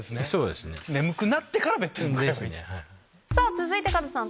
続いてカズさん。